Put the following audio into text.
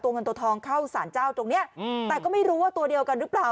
เงินตัวทองเข้าสารเจ้าตรงเนี้ยอืมแต่ก็ไม่รู้ว่าตัวเดียวกันหรือเปล่า